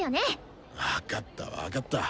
分かった分かった。